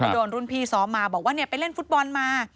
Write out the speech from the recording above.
โดนรุ่นพี่ซ้อมมาบอกว่าไปเล่นฟุตบอลมา